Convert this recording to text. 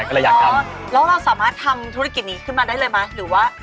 แล้วเราสามารถทำธุรกิจนี้ขึ้นมาได้เลยมั้ยหรือว่า